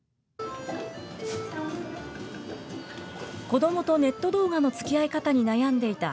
子どもとネット動画のつきあい方に悩んでいた